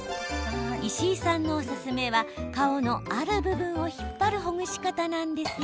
石井さんのおすすめは顔のある部分を引っ張るほぐし方なんですが。